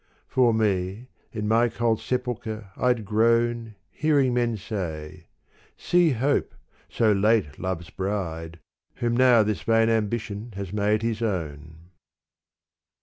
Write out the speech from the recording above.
For me — in my cold sepulchre I'd groan Hearing men say, — See Hope, so late love's bride. Whom now this vain Ambition has made his own.